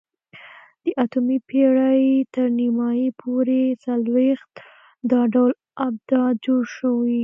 د اتمې پېړۍ تر نیمایي پورې څلوېښت دا ډول آبدات جوړ شوي